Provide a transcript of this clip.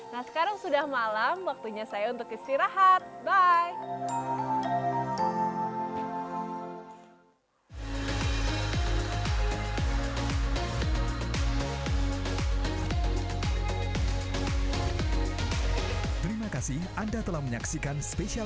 nah sekarang sudah malam waktunya saya untuk istirahat bye